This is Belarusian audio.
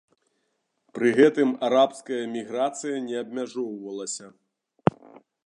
Пры гэтым арабская іміграцыя не абмяжоўвалася.